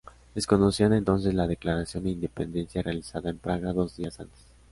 Desconocían entonces la declaración de independencia realizada en Praga dos días antes.